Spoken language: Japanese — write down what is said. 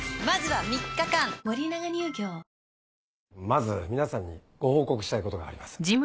まず皆さんにご報告したいことがあります。